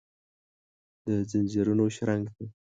دځنځیرونو شرنګ ته ،